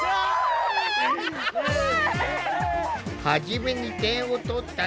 あっ！